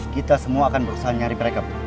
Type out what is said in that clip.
kita semua akan berusaha nyari mereka